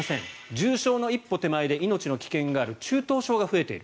重症の一歩手前で命の危険がある中等症が増えている。